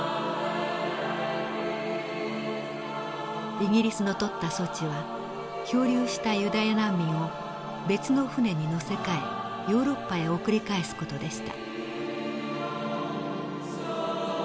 イギリスのとった措置は漂流したユダヤ難民を別の船に乗せ替えヨーロッパへ送り返す事でした。